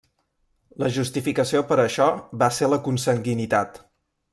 La justificació per a això va ser la consanguinitat.